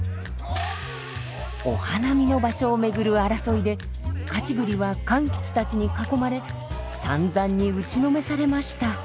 お花見の場所を巡る争いでかち栗は柑橘たちに囲まれさんざんに打ちのめされました。